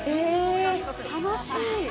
楽しい。